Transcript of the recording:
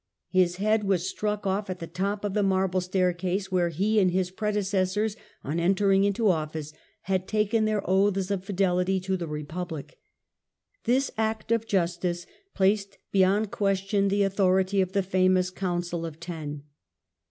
His head was struck off at the top of the marble stair case, where he and his predecessors, on entering into office, had taken their oaths of fidehty to the Kepublic. This act of justic placed beyond question the authority of the famous Council of Ten.